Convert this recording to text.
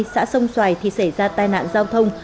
xã sông xoài thì xảy ra tai nạn giao thông